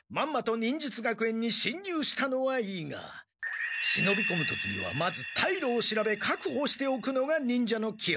忍術学園にしんにゅうしたのはいいが忍びこむ時にはまずたいろを調べかくほしておくのが忍者のきほんだろう。